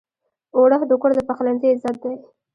اوړه د کور د پخلنځي عزت دی